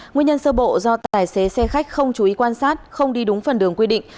nguyên nhân sơ bộ do tài xế xe khách không chú ý quan sát không đi đúng phần đường quy định